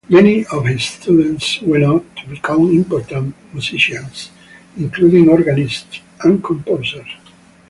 Many of his students went on to become important musicians, including organists and composers.